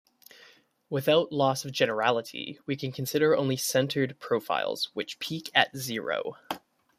Without loss of generality, we can consider only centered profiles, which peak at zero.